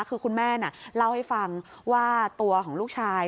คือคุณแม่น่ะเล่าให้ฟังว่าตัวของลูกชาย